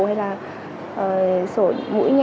hay là sổ mũi nhẹ